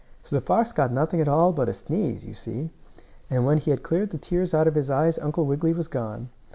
So the fox got nothing at all but a sneeze, you see, and when he had cleared the tears out of his eyes Uncle Wiggily was gone.